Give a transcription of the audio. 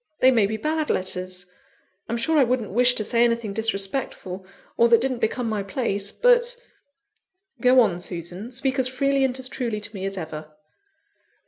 They may be bad letters. I'm sure I wouldn't wish to say anything disrespectful, or that didn't become my place; but " "Go on, Susan speak as freely and as truly to me as ever."